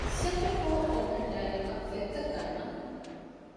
ސެންޓަރ ފޯރ އޯޕަން ލާނިންގއަށް ފޮތްތައް ގަންނަން